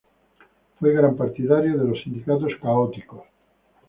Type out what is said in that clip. Fue gran partidario de los sindicatos católicos.